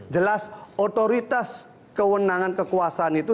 jelas otoritas kewenangan kekuasaan itu